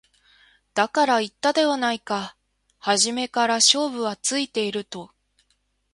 だから言ったではないか初めから勝負はついていると